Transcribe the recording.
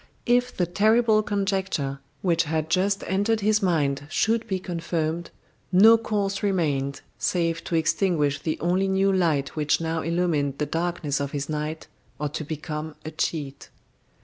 If the terrible conjecture which had just entered his mind should be confirmed, no course remained save to extinguish the only new light which now illumined the darkness of his night, or to become a cheat.